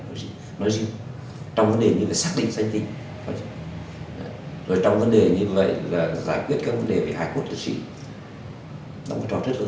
trong vấn đề như vậy là xác định danh tính rồi trong vấn đề như vậy là giải quyết các vấn đề về hại khuất thực sự đóng trò rất lớn